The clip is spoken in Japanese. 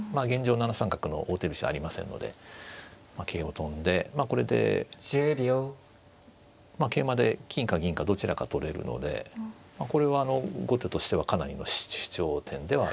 ７三角の王手飛車ありませんので桂を跳んでまあこれで桂馬で金か銀かどちらか取れるのでこれは後手としてはかなりの主張点ではありますよねはい。